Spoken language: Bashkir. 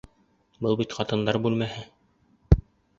Был бит ҡатындар бүлмәһе!